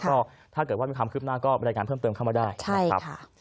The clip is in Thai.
ก็ถ้าเกิดว่ามีความคืบหน้าก็บรรยายงานเพิ่มเติมเข้ามาได้นะครับ